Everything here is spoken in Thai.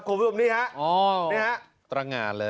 ควบคุมนี้ครับนี่ครับ